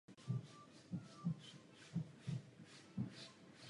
Jedná se o druhý díl ze série Klub záhad.